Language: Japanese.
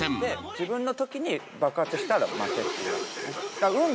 自分のときに爆発したら負けって感じですね。